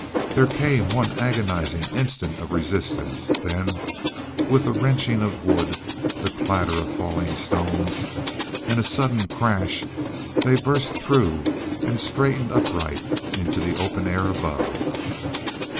There came one agonizing instant of resistance; then with a wrenching of wood, the clatter of falling stones and a sudden crash, they burst through and straightened upright into the open air above.